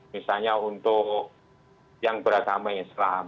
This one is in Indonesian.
misalnya untuk yang beragama islam